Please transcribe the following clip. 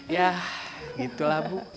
ya gitulah bu